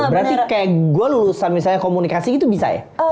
berarti kayak gue lulusan misalnya komunikasi gitu bisa ya